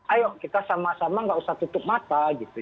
ayo kita sama sama gak usah tutup mata gitu